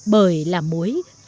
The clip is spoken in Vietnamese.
bởi là mùi nước đỏ